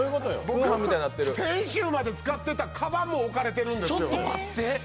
先週まで使ってたかばんまで置かれているんですよ。